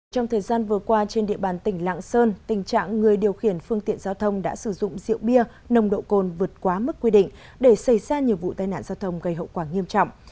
trong thời gian vừa qua trên địa bàn tỉnh lạng sơn tình trạng người điều khiển phương tiện giao thông đã sử dụng rượu bia nồng độ cồn vượt quá mức quy định để xây ra nhiều vụ tai nạn giao thông gây hậu quả nghiêm trọng